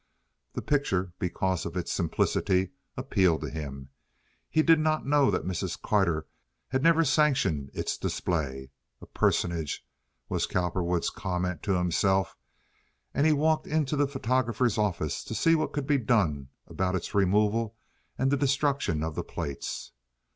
The picture because of its simplicity, appealed to him. He did not know that Mrs. Carter had never sanctioned its display. "A personage," was Cowperwood's comment to himself, and he walked into the photographer's office to see what could be done about its removal and the destruction of the plates.